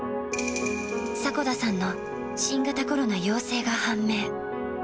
迫田さんの新型コロナ陽性が判明。